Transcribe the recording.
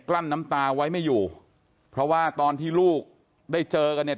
ลั้นน้ำตาไว้ไม่อยู่เพราะว่าตอนที่ลูกได้เจอกันเนี่ย